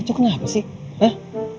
lucu kenapa sih